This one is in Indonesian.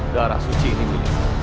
darah suci ini milikku